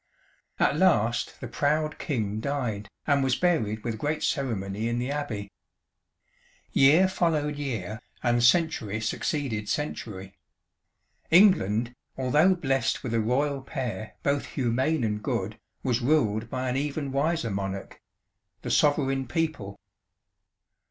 "At last the proud King died and was buried with great ceremony in the Abbey. Year followed year, and century succeeded century. England, although blessed with a Royal pair both humane and good, was ruled by an even wiser monarch the Sovereign People.